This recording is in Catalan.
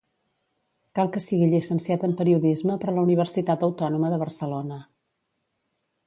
Cal que sigui llicenciat en Periodisme per la Universitat Autònoma de Barcelona.